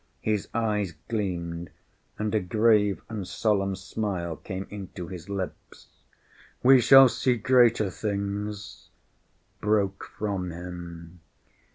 His eyes gleamed, and a grave and solemn smile came into his lips. "We shall see greater things!" broke from him.